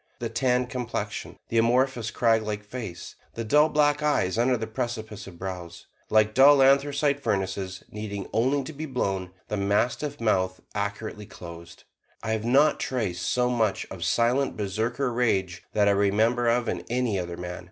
The tanned complexion; the amorphous, craglike face; the dull black eyes under the precipice of brows, like dull anthracite furnaces needing only to be blown; the mastiff mouth accurately closed; I have not traced so much of silent Berserker rage that I remember of in any other man.